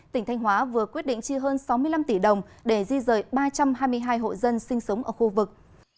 tỉnh thanh hóa vừa quyết định chi hơn sáu mươi năm tỷ đồng để di rời ba trăm hai mươi hai hộ dân sinh sống ở khu vực